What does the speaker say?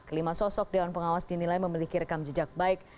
kelima sosok dewan pengawas dinilai memiliki rekam jejak baik